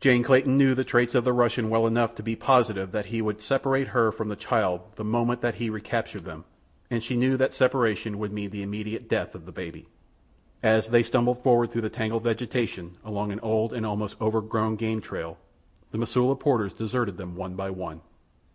Jane Clayton knew the traits of the Russian well enough to be positive that he would separate her from the child the moment that he recaptured them, and she knew that separation would mean the immediate death of the baby. As they stumbled forward through the tangled vegetation along an old and almost overgrown game trail the Mosula porters deserted them one by one.